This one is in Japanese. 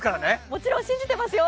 もちろん信じてますよ！